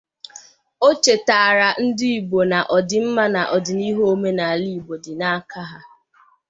O chètààrà Ndị Igbo na ọdịmma na ọdịnihu omenala Igbo dị n'aka aha